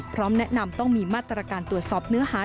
พร้อมแนะนำต้องมีมาตรการตรวจสอบเนื้อหา